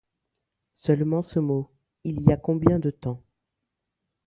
Seulement ce mot :« Il y a combien de temps ?